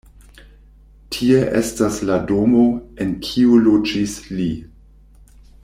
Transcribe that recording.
Tie estas la domo, en kiu loĝis li.